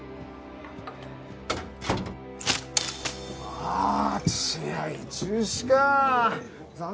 ああ試合中止かあ。